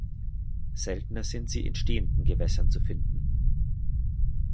Seltener sind sie in stehenden Gewässern zu finden.